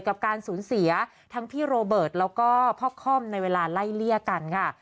กับการสูญเสียทั้งพี่โรเบิร์ตแล้วก็พ่อค่อมในเวลาไล่เลี่ยกันค่ะ